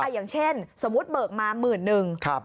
อย่างเช่นสมมุติเบิกมา๑๐๐๐๐บาท